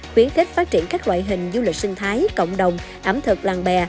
khuyến khích phát triển các loại hình du lịch sinh thái cộng đồng ẩm thực làng bè